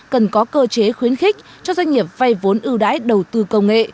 cần có cơ chế khuyến khích cho doanh nghiệp vay vốn ưu đái đầu tư công nghệ